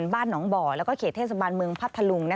บ้านหนองบ่อแล้วก็เขตเทศบาลเมืองพัทธลุง